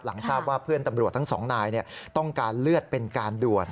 ทราบว่าเพื่อนตำรวจทั้งสองนายต้องการเลือดเป็นการด่วน